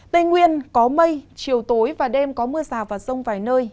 tây nguyên có mây chiều tối và đêm có mưa rào và rông vài nơi